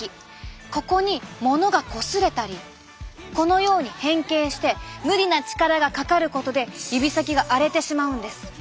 ここにものがこすれたりこのように変形して無理な力がかかることで指先が荒れてしまうんです。